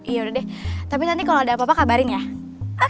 ya yaudah deh tapi nanti kalo ada apa apa kabarin ya